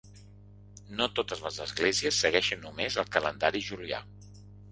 No totes les esglésies segueixen només el calendari julià.